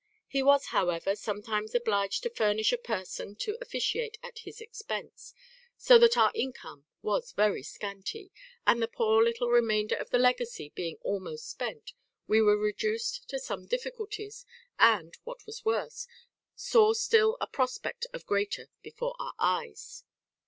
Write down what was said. He was, however, sometimes obliged to furnish a person to officiate at his expence; so that our income was very scanty, and the poor little remainder of the legacy being almost spent, we were reduced to some difficulties, and, what was worse, saw still a prospect of greater before our eyes.